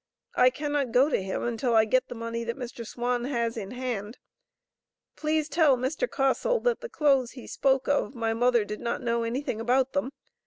I cannot go to him until I get the money that Mr. Swan has in hand. Please tell Mr. Caustle that the clothes he spoke of my mother did not know anything about them.